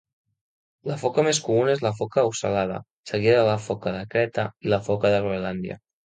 La foca més comuna és la foca ocel·lada, seguida de la foca de creta i la foca de Groenlàndia.